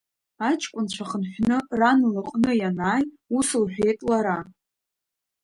Аҷкәынцәа хынҳәны ран лыҟны ианааи, ус лҳәеит лара…